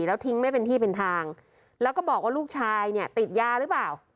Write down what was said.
แล้วทิ้งไม่เป็นที่เป็นทางแล้วก็บอกว่าลูกชายเนี่ยติดยาหรือเปล่า